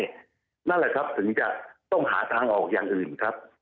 นั่นแหละครับถึงจะต้องหาทางออกอย่างอื่นครับ